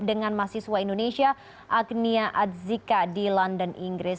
dengan mahasiswa indonesia agnia adzika di london inggris